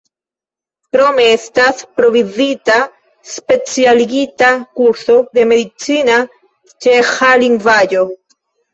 Krome estas provizita specialigita kurso de medicina ĉeĥa lingvaĵo.